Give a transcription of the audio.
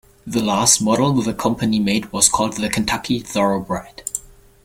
The last model the company made was called The Kentucky Thoroughbred.